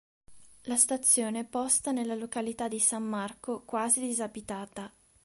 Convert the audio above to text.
La stazione è posta nella località di San Marco, quasi disabitata.